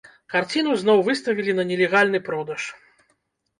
Карціну зноў выставілі на нелегальны продаж.